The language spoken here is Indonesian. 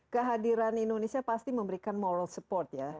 kehadiran indonesia pasti memberikan moral support ya